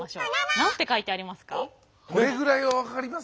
何て書いてありますか？